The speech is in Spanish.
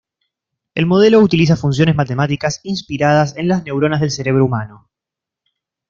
El modelo utiliza funciones matemáticas inspiradas en las neuronas del cerebro humano.